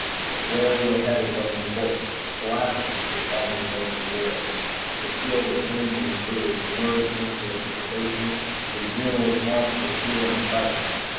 But where we were headed wasn't important. The "Lachesis" was finally going to war! I could feel the change in the crew, the nervousness, the anticipation, the adrenal responses of fear and excitement.